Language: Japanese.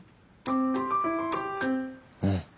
うん。